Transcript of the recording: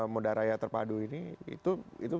moda raya terpadu ini itu